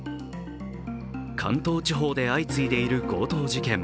関東地方で相次いでいる強盗事件。